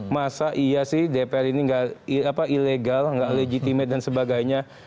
masa iya sih dpr ini ilegal tidak legitime dan sebagainya